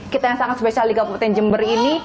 kita yang sangat spesial di kabupaten jember ini